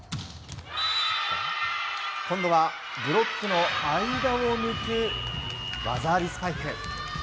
今度はブロックの間を抜く技ありスパイク。